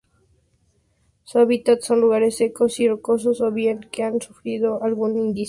Su hábitat son lugares secos y rocosos o bien que han sufrido algún incendio.